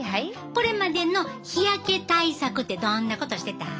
これまでの日焼け対策ってどんなことしてた？